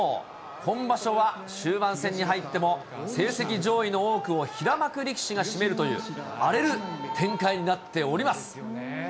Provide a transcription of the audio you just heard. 本場所は終盤戦に入っても、成績上位の多くを平幕力士が占めるという、荒れる展開になっております。